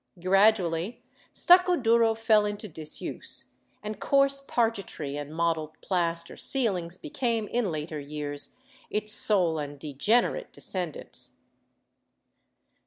Gradually, stucco duro fell into disuse, and coarse pargetry and modelled plaster ceilings became in later years its sole and degenerate descendants.